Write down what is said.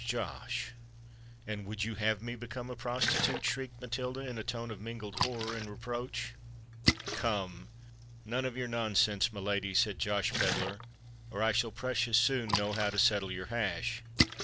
Josh—and would you have me become a prostitute?" shrieked Matilda, in a tone of mingled horror and reproach. "Come—none of your nonsense, my lady," said Josh Pedler; "or I shall precious soon know how to settle your hash.